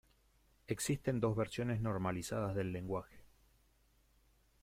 Existen dos versiones normalizadas del lenguaje.